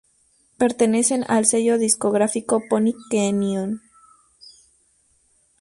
Pertenecen al sello discográfico Pony Canyon.